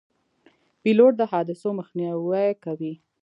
پیلوټ د حادثو مخنیوی کوي.